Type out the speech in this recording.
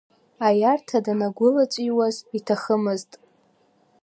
Аиарҭа данагәылаҵәиуаз иҭахӡамызт.